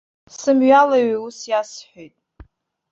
Сымҩалаҩ ус иасҳәеит.